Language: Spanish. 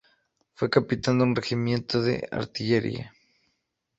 Fue capitán de un regimiento de artillería.